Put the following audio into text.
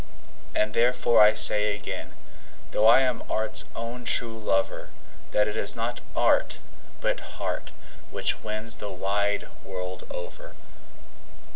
And therefore I say again, though I am art's own true lover, That it is not art, but heart, which wins the wide world over.